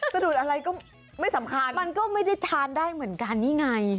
สะดุดอะไรก็ไม่สำคัญมันก็ไม่ได้ทานได้เหมือนกันนี่ไง